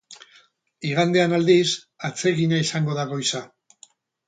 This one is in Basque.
Igandean, aldiz, atsegina izango da goiza.